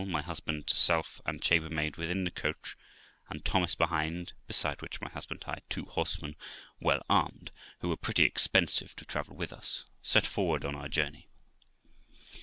my husband, self, and chambermaid within the coach, and Thomas behind ( beside which my husband hired two horsemen well armed, who were pretty expensive, to travel with us), set forward on our journey.